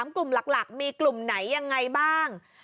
กลุ่มหลักมีกลุ่มไหนยังไงบ้าง